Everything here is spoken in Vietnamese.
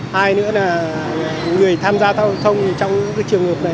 hai nữa là người tham gia thao thông trong trường hợp này